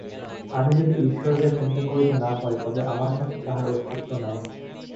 আমি যদি ঈশ্বরকে চিন্তা করিতে না পারি, তবে আমার কাছে তাঁহার অস্তিত্ব নাই।